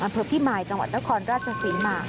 อันพบที่หมายจังหวัดนครราชฝีนมา